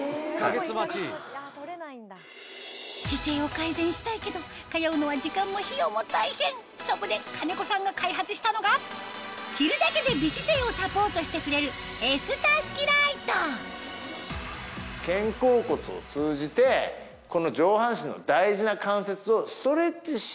姿勢を改善したいけど通うのは時間も費用も大変そこで兼子さんが開発したのが着るだけで美姿勢をサポートしてくれる肩甲骨を通じてこの。